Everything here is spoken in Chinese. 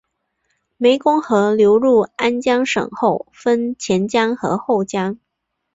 湄公河流入安江省后分前江与后江。